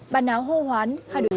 bàn áo hô hoán